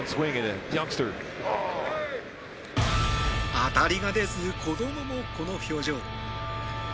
当たりが出ず子供もこの表情。